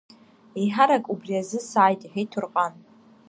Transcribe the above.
Еиҳарак убри азы сааит, – иҳәеит Ҭорҟан.